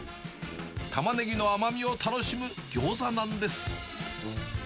タマネギの甘みを楽しむギョーザなんです。